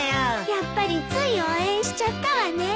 やっぱりつい応援しちゃったわね。